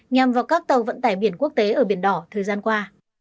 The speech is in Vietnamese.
nhằm vào các tàu vận tải biển quốc tế ở biển đỏ thời gian qua